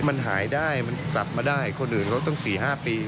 มันหายได้มันกลับมาได้คนอื่นเขาต้อง๔๕ปี